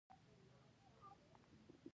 د دغه ډلو موجودیت یو لوی سرخوږې جوړ کړیدی